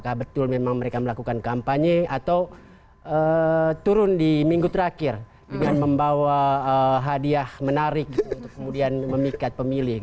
apakah betul memang mereka melakukan kampanye atau turun di minggu terakhir dengan membawa hadiah menarik untuk kemudian memikat pemilih